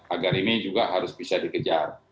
agar ini juga harus bisa dikejar